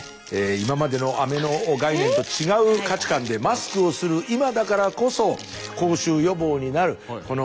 今までのアメの概念と違う価値観でマスクをする今だからこそ口臭予防になるこのアメをここに。